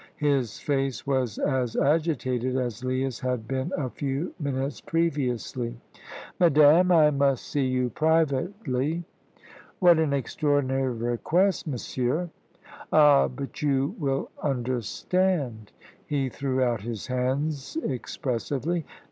His face was as agitated as Leah's had been a few minutes previously. "Madame, I must see you privately." "What an extraordinary request, monsieur!" "Ah, but you will understand " He threw out his hands expressively.